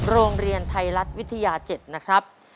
โรงเรียนไทยรัฐวิทยา๗นะครับ